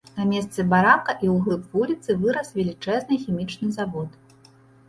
На месцы барака і ў глыб вуліцы вырас велічэзны хімічны завод.